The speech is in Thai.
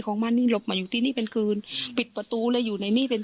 ของมันนี่หลบมาอยู่ที่นี่เป็นคืนปิดประตูเลยอยู่ในนี่เป็น